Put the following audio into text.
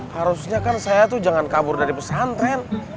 harusnya kan saya tuh jangan kabur dari pesantren